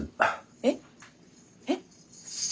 えっえっ？